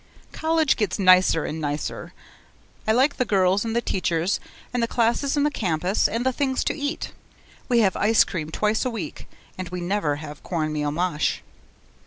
College gets nicer and nicer. I like the girls and the teachers and the classes and the campus and the things to eat. We have ice cream twice a week and we never have corn meal mush.